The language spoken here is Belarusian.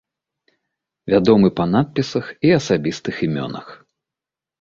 Вядомы па надпісах і асабістых імёнах.